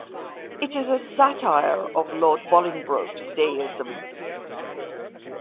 It is a satire of Lord Bolingbroke's deism.